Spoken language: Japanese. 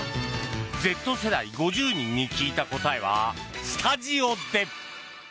Ｚ世代５０人に聞いた答えはスタジオで。